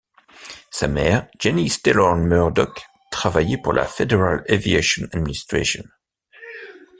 Sa mère, Janice Taylor Murdock, travaillait pour la Federal Aviation Administration.